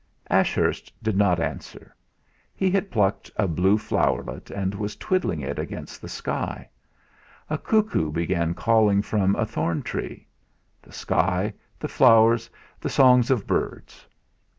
Ashurst did not answer; he had plucked a blue floweret, and was twiddling it against the sky. A cuckoo began calling from a thorn tree. The sky, the flowers, the songs of birds!